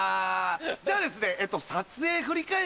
じゃあですね。